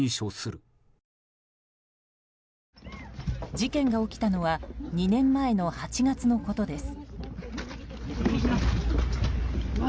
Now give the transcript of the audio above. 事件が起きたのは２年前の８月のことです。